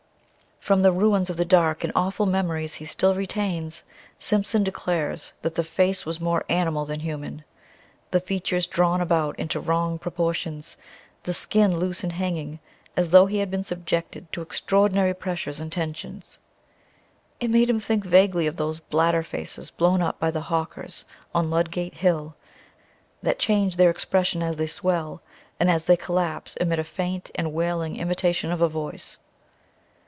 From the ruins of the dark and awful memories he still retains, Simpson declares that the face was more animal than human, the features drawn about into wrong proportions, the skin loose and hanging, as though he had been subjected to extraordinary pressures and tensions. It made him think vaguely of those bladder faces blown up by the hawkers on Ludgate Hill, that change their expression as they swell, and as they collapse emit a faint and wailing imitation of a voice.